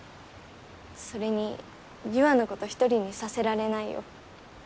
それに優愛のこと一人にさせられないよ。